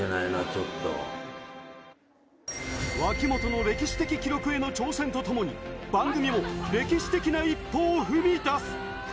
脇本の歴史的記録への挑戦とともに番組も歴史的な一歩を踏み出す。